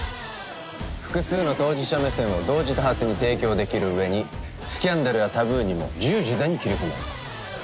複数の当事者目線を同時多発に提供できる上にスキャンダルやタブーにも自由自在に切り込める